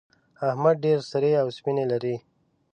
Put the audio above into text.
احمد ډېر سرې او سپينې لري.